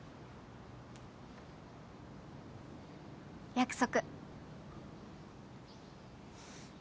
約束。